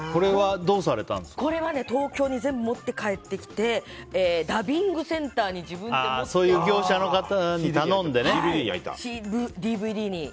これは東京に全部持って帰ってきてダビングセンターにそういう業者の方に頼んでね。